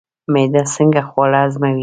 معده څنګه خواړه هضموي؟